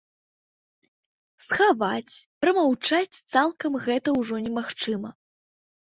Схаваць, прамаўчаць цалкам гэта ўжо немагчыма.